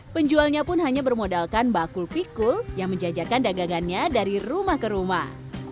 penjualnya pun hanya bermodalkan bakul pikul yang menjajakan dagangannya dari rumah ke rumah